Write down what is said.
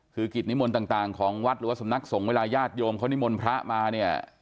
คือกิจนิมนต์ต่างของวัดหรือว่าสำนักสงฆ์เวลาญาติโยมเขานิมนต์พระมาเนี่ย